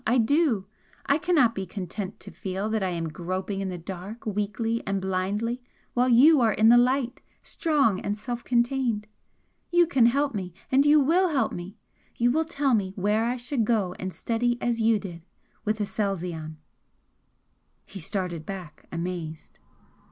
I do! I cannot be content to feel that I am groping in the dark weakly and blindly while you are in the light, strong and self contained! You can help me and you WILL help me! You will tell me where I should go and study as you did with Aselzion!" He started back, amazed.